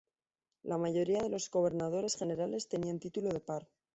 La mayoría de los gobernadores generales tenían título de par.